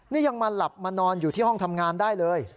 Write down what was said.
นี่ยังมาหลับมานอนอยู่ที่ห้องทำงานได้เลย